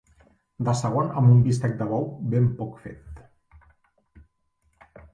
De segon amb un bistec de bou ben poc fet.